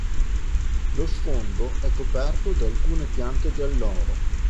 Lo sfondo è coperto da alcune piante di alloro.